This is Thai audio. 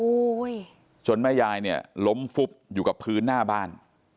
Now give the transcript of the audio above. จนแม่ยายเนี่ยล้มฟุบอยู่กับพื้นหน้าบ้าน